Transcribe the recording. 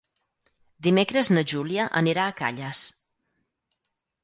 Dimecres na Júlia anirà a Calles.